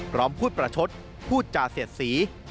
พร้อมพูดประชดพูดจาเสียดสี